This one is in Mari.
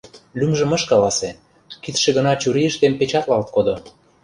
— Лӱмжым ыш каласе, кидше гына чурийыштем печатлалт кодо.